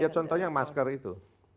ya contohnya masker itu